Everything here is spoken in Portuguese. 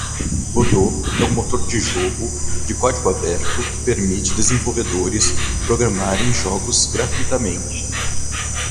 Godot é motor de jogo de código aberto que permite desenvolvedores programarem jogos gratuitamente